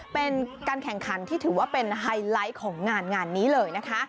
เป็นการแข่งขันที่ถือว่าเป็นไฮไลท์ของงานงานนี้เลยนะคะ